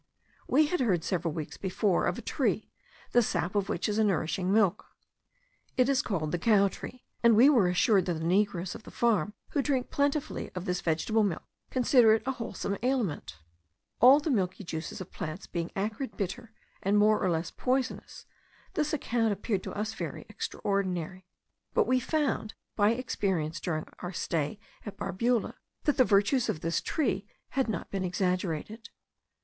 We had heard, several weeks before, of a tree, the sap of which is a nourishing milk. It is called the cow tree; and we were assured that the negroes of the farm, who drink plentifully of this vegetable milk, consider it a wholesome aliment. All the milky juices of plants being acrid, bitter, and more or less poisonous, this account appeared to us very extraordinary; but we found by experience during our stay at Barbula, that the virtues of this tree had not been exaggerated.